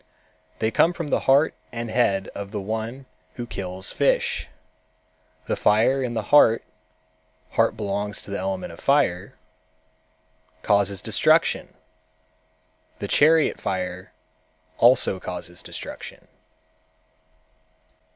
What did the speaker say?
They come from the heart and head of the one who kills fish. The fire in the heart (heart belongs to the element fire) causes destruction. The chariot fire also causes destruction."